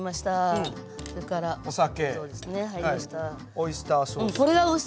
オイスターソース。